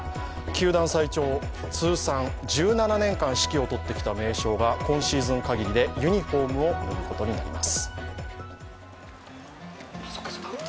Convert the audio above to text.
球団最長通算１７年間指揮を執ってきた名将が今シーズンかぎりでユニフォームを脱ぐことになります。